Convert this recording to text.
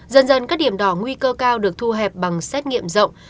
dần dần các điểm đỏ nguy cơ cao được thu hẹp bằng xét nghiệm rộng